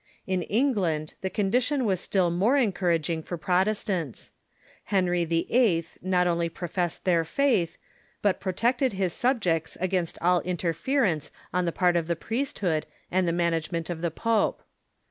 In England the condition Avas still more encouraging for Protes tants. Henry YIII. not only professed their faith, but pro tected his subjects against all interference on the part of the priesthood and the management of the pope.